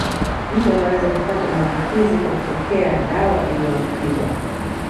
Mtu anaweza kupata maambukizi kwa kupokea dawa iliyoambukizwa